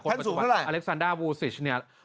คนปัจจุบันอเล็กซานด้าวูซิช